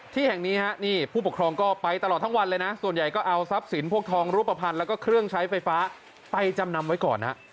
ที่แห่งนี้ฮะนี่ผู้ปกครองก็ไปตลอดทั้งวันเลยนะส่วนใหญ่ก็เอาทรัพย์สินพวกทองรูปภัณฑ์แล้วก็เครื่องใช้ไฟฟ้าไปจำนำไว้ก่อนฮะ